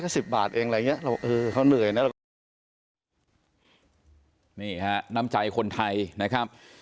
ก็ทำไม่ถูกอ่ะเขาก็กระบนโดยเขาได้ก็๑๐บาท